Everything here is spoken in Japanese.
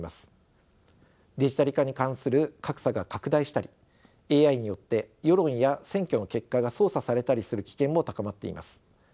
デジタル化に関する格差が拡大したりＡＩによって世論や選挙の結果が操作されたりする危険も高まっています。